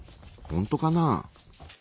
ほんとかな？